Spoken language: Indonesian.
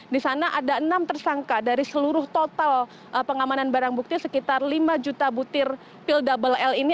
di sana ada enam tersangka dari seluruh total pengamanan barang bukti sekitar lima juta butir pil double l ini